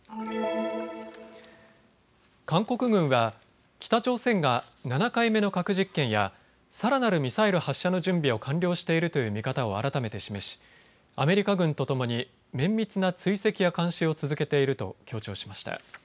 韓国軍は北朝鮮が７回目の核実験やさらなるミサイル発射の準備を完了しているという見方を改めて示し、アメリカ軍とともに綿密な追跡や監視を続けていると強調しました。